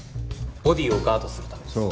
ボディーをガードするためです。